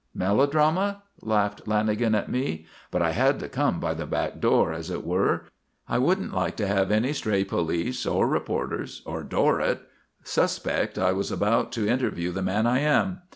"Melodrama?" laughed Lanagan at me. "But I had to come by the back door, as it were. I wouldn't like to have any stray police or reporters or Dorrett suspect I was about to interview the man I am.